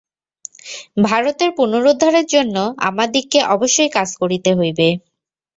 ভারতের পুনরুদ্ধারের জন্য আমাদিগকে অবশ্যই কাজ করিতে হইবে।